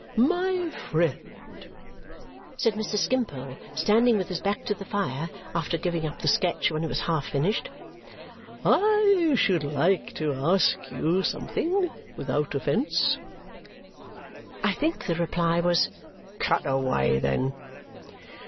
"My friend," said Mr. Skimpole, standing with his back to the fire after giving up the sketch when it was half finished, "I should like to ask you something, without offence." I think the reply was, "Cut away, then!"